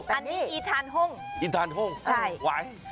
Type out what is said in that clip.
อันนี้อีทานห่งอีทานห่งไหว